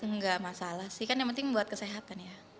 enggak masalah sih kan yang penting buat kesehatan ya